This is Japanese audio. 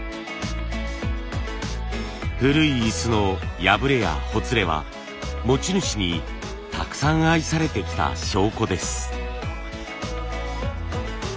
古い椅子の破れやほつれは持ち主にたくさん愛されてきた証拠です。